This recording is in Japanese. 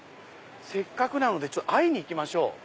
せっかくなので会いに行きましょう。